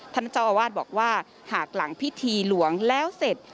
ท่านเจ้าอาวาสบอกว่าหากหลังพิธีหลวงแล้วเสร็จ